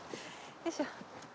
よいしょ。